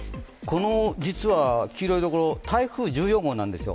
この黄色いところ、実は台風１４号なんですよ。